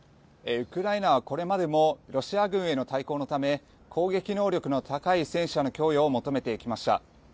ウクライナはこれまでもロシア軍への対抗のため攻撃能力の高い戦車の供与を求めてきました。